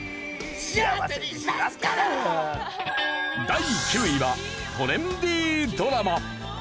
第９位はトレンディードラマ。